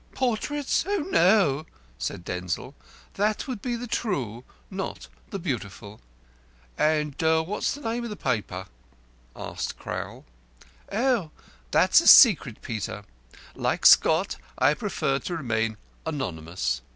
"Portraits? Oh, no!" said Denzil. "That would be the True, not the Beautiful." "And what's the name of the paper?" asked Crowl. "Ah, that's a secret, Peter. Like Scott, I prefer to remain anonymous."